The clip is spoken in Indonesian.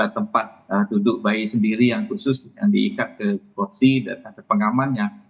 tempat duduk bayi sendiri yang khusus yang diikat ke porsi dan ada pengamannya